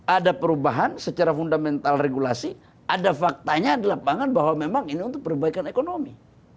ada perubahan secara fundamental regulasi ada faktanya di lapangan bahwa memang ini untuk perbaikan ekonomi